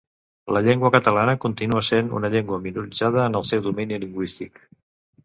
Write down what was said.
La llengua catalana continua sent una llengua minoritzada en el seu domini lingüístic